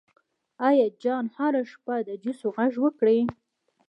ایاز جان هره شیبه د جوسو غږ وکړي.